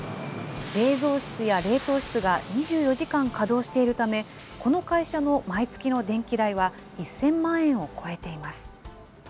冷蔵室や冷凍室が２４時間稼働しているため、この会社の毎月の電気代は１０００万円を超えています。